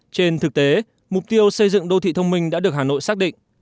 trên thực tế mục tiêu xây dựng đô thị thông minh đã được hà nội xác định